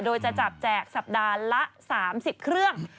โดยจะจับแจกสัปดาห์ละ๓๐เครื่อง